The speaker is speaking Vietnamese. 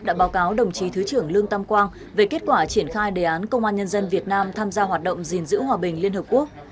đã báo cáo đồng chí thứ trưởng lương tâm quang về kết quả triển khai đề án công an nhân dân việt nam tham gia hoạt động gìn giữ hòa bình liên hợp quốc